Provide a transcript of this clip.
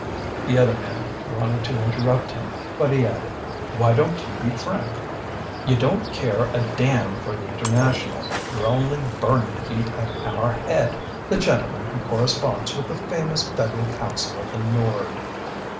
The other man wanted to interrupt him, but he added: "Why don't you be frank? You don't care a damn for the International; you're only burning to be at our head, the gentleman who corresponds with the famous Federal Council of the Nord!"